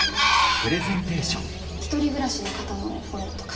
あとは１人暮らしの方のフォローとか。